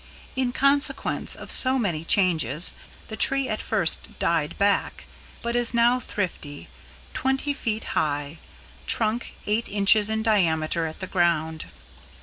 In consequence of so many changes, the tree at first died back, but is now thrifty twenty feet high; trunk, eight inches in diameter at the ground.